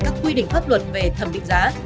các quy định pháp luật về thẩm định giá